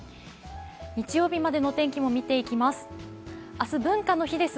日曜日までの天気も見ていきます。